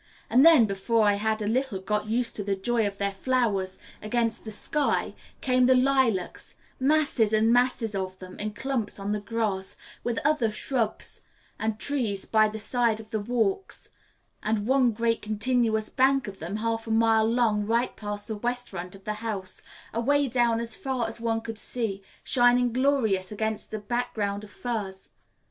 And then, before I had a little got used to the joy of their flowers against the sky, came the lilacs masses and masses of them, in clumps on the grass, with other shrubs and trees by the side of walks, and one great continuous bank of them half a mile long right past the west front of the house, away down as far as one could see, shining glorious against a background of firs.